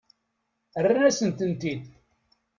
Rran-asen-tent-id.